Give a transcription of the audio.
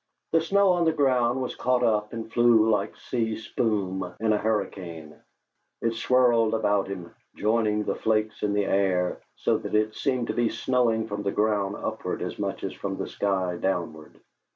The snow on the ground was caught up and flew like sea spume in a hurricane; it swirled about him, joining the flakes in the air, so that it seemed to be snowing from the ground upward as much as from the sky downward.